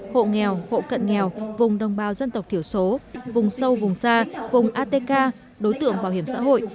hộ nghèo hộ cận nghèo vùng đồng bào dân tộc thiểu số vùng sâu vùng xa vùng atk đối tượng bảo hiểm xã hội